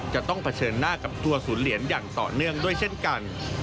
จะต้องเผชิญหน้ากับตัวศูนย์เหรียญอย่างต่อเนื่องด้วยเช่นกัน